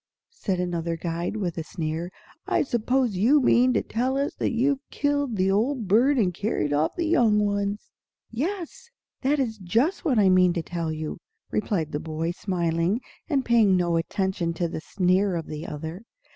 said another guide, with a sneer. "I suppose you mean to tell us that you've killed the old bird and carried off the young ones?" "Yes, that is just what I mean to tell you," replied the boy, smiling, and paying no attention to the sneer of the other.